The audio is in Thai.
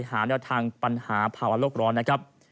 หาแนวทางปัญหาภาวะโลกร้อนนะครับ